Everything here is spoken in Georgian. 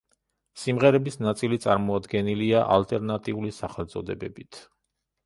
სიმღერების ნაწილი წარმოდგენილია ალტერნატიული სახელწოდებებით.